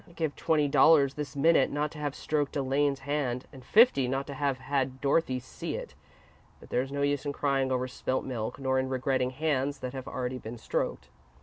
I'd give twenty dollars this minute not to have stroked Elaine's hand, and fifty not to have had Dorothy see it, but there's no use in crying over spilt milk nor in regretting hands that have already been stroked."